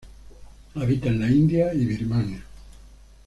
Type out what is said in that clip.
Habita en la India y Birmania.